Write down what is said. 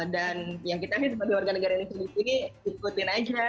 dan yang kita sih sebagai warga negara indonesia di sini ikutin aja